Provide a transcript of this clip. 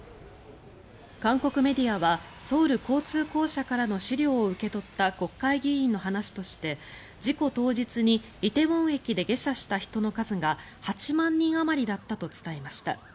韓国メディアはソウル交通公社からの資料を受け取った国会議員の話として事故当日に梨泰院駅で下車した人の数が８万人あまりだったと伝えました。